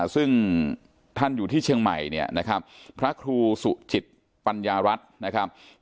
ซึ่งท่านอยู่ที่เชียงใหม่เนี่ยนะครับพระครูสุจิตปัญญารัฐนะครับ